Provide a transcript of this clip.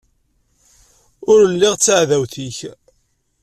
Ur lliɣ d taɛdawt-ik.